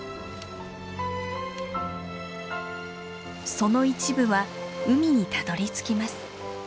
その一部は海にたどりつきます。